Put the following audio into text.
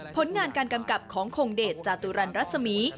ผลงานการกำกับของคงเดชจาตุรันรัศมี